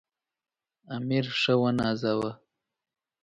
امیر ښه ونازاوه.